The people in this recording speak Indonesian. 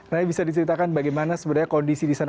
nai bisa diceritakan bagaimana sebenarnya kondisi di sana